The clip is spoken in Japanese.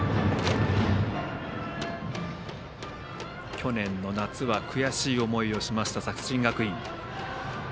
去年の夏は悔しい思いをしました作新学院。